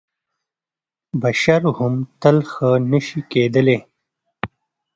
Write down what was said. بشر هم تل ښه نه شي کېدلی .